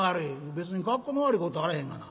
「別に格好の悪いことあらへんがな。